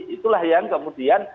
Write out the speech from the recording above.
itulah yang kemudian